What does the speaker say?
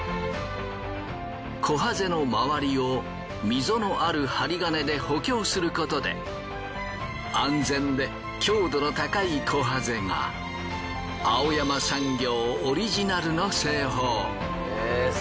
こはぜの周りを溝のある針金で補強することで安全で強度の高いこはぜが青山産業オリジナルの製法。